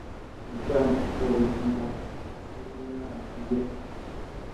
Nditam ubgooriyaŋ siwlina ki ge.